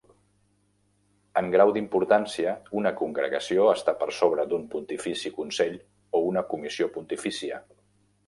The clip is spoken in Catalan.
En grau d'importància una congregació està per sobre d'un pontifici consell o una comissió pontifícia.